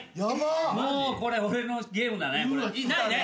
もうこれ俺のゲームだね。